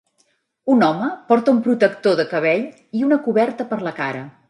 Un home porta un protector de cabell i una coberta per la cara.